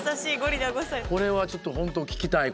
これは、ちょっと本当、聞きたい。